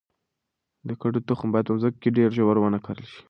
د کدو تخم باید په مځکه کې ډیر ژور ونه کرل شي.